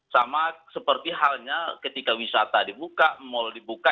sama seperti halnya ketika wisata dibuka mal dibuka